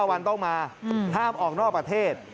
วันต้องมาห้ามออกนอกประเทศ